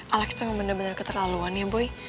alex itu bener bener keterlaluan ya boy